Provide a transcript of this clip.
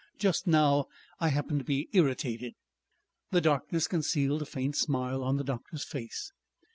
Just now I happen to be irritated." The darkness concealed a faint smile on the doctor's face.